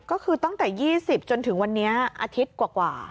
ก็คือตั้งแต่๒๐จนถึงวันนี้อาทิตย์กว่า